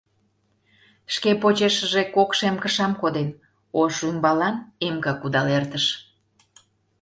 Шке почешыже кок шем кышам коден, ош ӱмбалан эмка кудал эртыш.